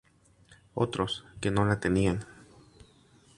Otros, que no la tenían.